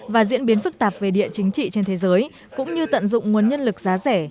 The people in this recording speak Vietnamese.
và diễn biến phức tạp về địa chính trị trên thế giới cũng như tận dụng nguồn nhân lực giá rẻ